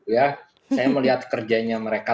jadi melihat kerjanya mereka